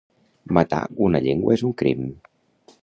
Matar una llengua és un crim.